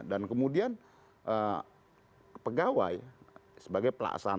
dan kemudian pegawai sebagai pelaksana